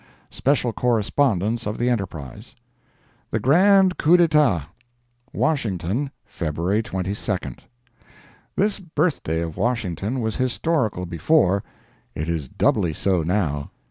[SPECIAL CORRESPONDENCE OF THE ENTERPRISE.] THE GRAND COUP D'ETAT WASHINGTON, February 22. This birthday of Washington was historical before; it is doubly so now.